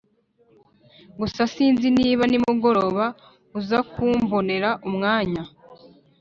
gusa sinzi niba nimugoroba uzakumbonera umwanya